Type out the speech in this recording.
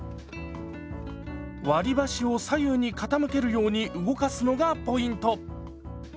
割り箸を左右に傾けるように動かすのがポイント。